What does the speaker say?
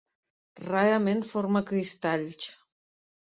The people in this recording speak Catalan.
Rarament forma cristalls.